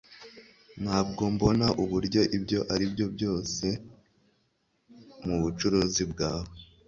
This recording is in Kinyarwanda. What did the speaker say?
Ntabwo mbona uburyo ibyo aribyo byose mubucuruzi bwawe